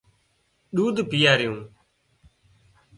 ۮوڌ پيائريون